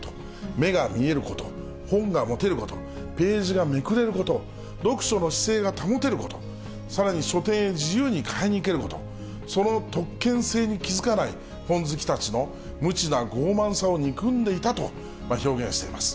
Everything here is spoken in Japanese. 目が見えること、本が持てること、ページがめくれること、読書の姿勢が保てること、さらに書店へ自由に買いに行けること、その特権性に気付かない本好きたちの無知な傲慢さを憎んでいたと表現しています。